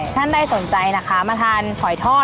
ท่านได้สนใจนะคะมาทานหอยทอด